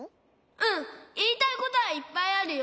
うんいいたいことはいっぱいあるよ。